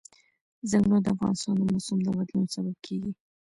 ځنګلونه د افغانستان د موسم د بدلون سبب کېږي.